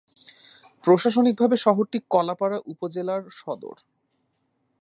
প্রশাসনিকভাবে শহরটি কলাপাড়া উপজেলার সদর।